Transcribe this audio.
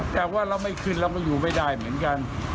แต่ว่าเราไม่ขึ้นเราก็อยู่ไม่ได้เหมือนกัน